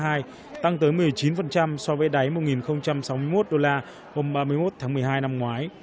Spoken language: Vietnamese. giá vàng tháng hai tăng tới một mươi chín so với đáy một sáu mươi một đô la hôm ba mươi một tháng một mươi hai năm ngoái